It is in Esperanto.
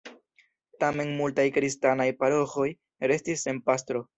Tamen multaj kristanaj paroĥoj restis sen pastro.